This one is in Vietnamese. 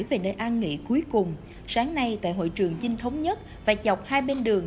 vào lễ an nghị cuối cùng sáng nay tại hội trường vinh thống nhất và dọc hai bên đường